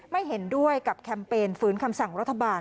ไม่เห็นด้วยกับแคมเปญฝืนคำสั่งรัฐบาล